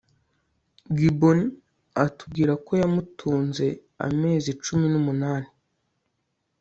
gibbon atubwira ko yamutunze amezi cumi n'umunani